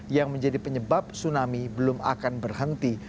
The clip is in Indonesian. yang menjadi penyebab tsunami belum akan berhenti